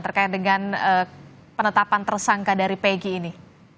terkait dengan penetapan tersangka ppg alias perok ini